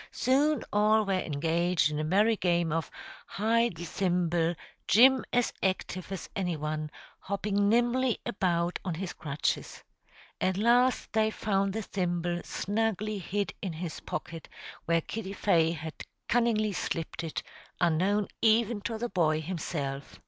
Soon all were engaged in a merry game of "hide the thimble," Jim as active as any one, hopping nimbly about on his crutches. At last they found the thimble snugly hid in his pocket, where Kitty Fay had cunningly slipped it, unknown even to the boy himself.